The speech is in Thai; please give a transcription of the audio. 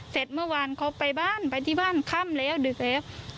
เสร็จเมื่อวานเขาไปบ้านไปที่บ้านค่ำแล้วดึกแล้ว